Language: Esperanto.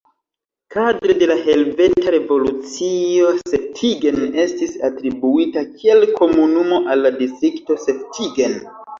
Kadre de la Helveta Revolucio Seftigen estis atribuita kiel komunumo al la distrikto Seftigen.